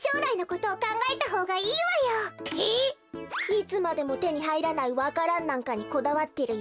いつまでもてにはいらないわか蘭なんかにこだわってるよりさ。